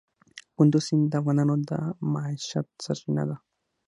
کندز سیند د افغانانو د معیشت سرچینه ده.